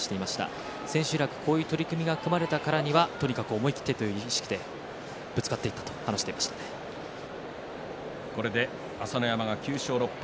千秋楽こういう取組が組まれたからにはとにかく思い切ってという意識でぶつかっていたとこれで朝乃山が９勝６敗